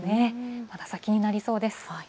まだ先になりそうです。